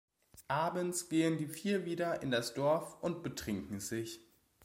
Abends gehen die vier wieder in das Dorf und betrinken sich.